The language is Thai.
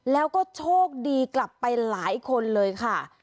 แล้วก็โชคดีกลับไปหลายคนเลยค่ะ